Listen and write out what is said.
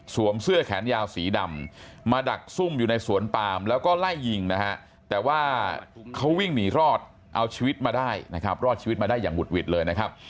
เขาวิ่งหนีรอดเอาชีวิตมาได้นะครับรอดชีวิตมาได้อย่างหุดหวิดเลยนะครับ